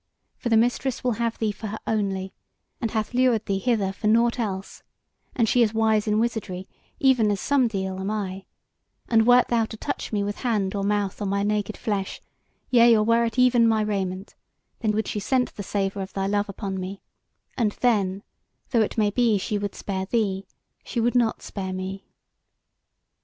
For the Mistress will have thee for her only, and hath lured thee hither for nought else; and she is wise in wizardry (even as some deal am I), and wert thou to touch me with hand or mouth on my naked flesh, yea, or were it even my raiment, then would she scent the savour of thy love upon me, and then, though it may be she would spare thee, she would not spare me."